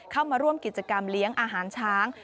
เข้ามาร่วมกิจกรรมเลี้ยงอาหารช้าง